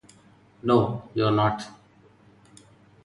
No, you are not.